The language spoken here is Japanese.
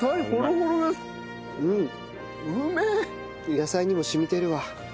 野菜にも染みてるわ。